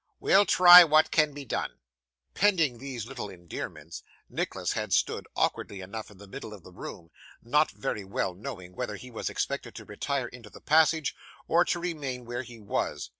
'We'll try what can be done.' Pending these little endearments, Nicholas had stood, awkwardly enough, in the middle of the room: not very well knowing whether he was expected to retire into the passage, or to remain where he was.